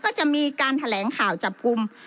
ก็จะมีการแถลงข่าวจับกลุ่ม